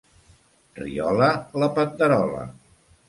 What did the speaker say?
Riola, la panderola.